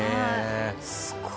すごいな。